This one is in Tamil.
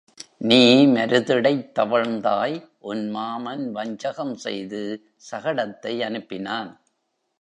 நீ மருதிடைத் தவழ்ந்தாய் உன் மாமன் வஞ்சகம் செய்து சகடத்தை அனுப்பினான்.